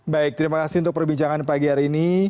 baik terima kasih untuk perbincangan pagi hari ini